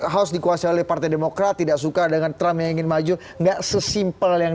harus dikuasai oleh partai demokrat tidak suka dengan trump yang ingin maju enggak sesimpel yang